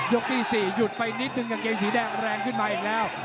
ที่๔หยุดไปนิดนึงกางเกงสีแดงแรงขึ้นมาอีกแล้ว